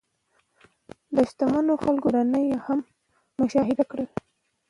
د شتمنو خلکو کورونه یې هم مشاهده کړل.